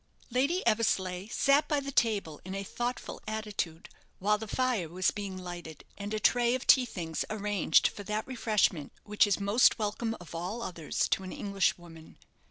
Lady Eversleigh sat by the table in a thoughtful attitude, while the fire was being lighted and a tray of tea things arranged for that refreshment which is most welcome of all others to an Englishwoman.